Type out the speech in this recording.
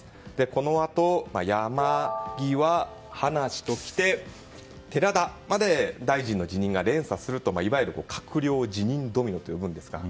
このあと、山際、葉梨ときて寺田まで大臣の辞任が連鎖するといわゆる閣僚辞任ドミノと呼ぶんでしょうか